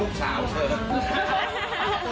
สวัสดีครับคุณผู้ชมครับ